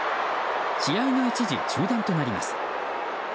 試合は一時中断となります。